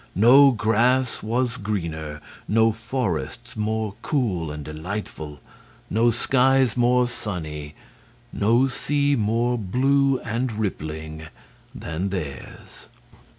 No grass was greener, no forests more cool and delightful, no skies more sunny, no sea more blue and rippling than theirs.